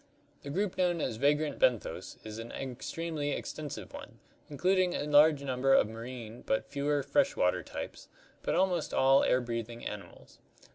The group known as vagrant benthos is an extremely extensive one, includ ing a large number of marine, but fewer fresh water types, and almost all air breathing animals.